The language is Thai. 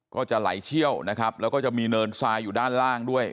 ก็จะไหลเชี่ยวนะครับแล้วก็จะมีเนินทรายอยู่ด้านล่างด้วย